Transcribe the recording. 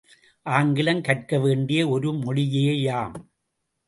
ஆங்கிலம் கற்க வேண்டிய ஒரு மொழியேயாம்.